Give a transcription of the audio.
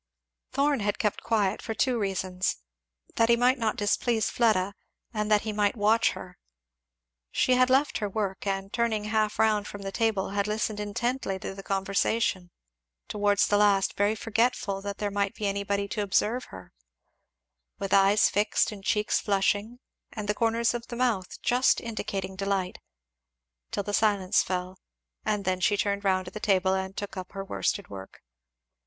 Thorn had kept quiet, for two reasons that he might not displease Fleda, and that he might watch her. She had left her work, and turning half round from the table had listened intently to the conversation, towards the last very forgetful that there might be anybody to observe her, with eyes fixed, and cheeks flushing, and the corners of the mouth just indicating delight, till the silence fell; and then she turned round to the table and took up her worsted work.